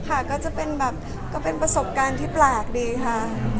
ค่ะก็จะเป็นประสบการณ์ที่ปลากดีค่ะ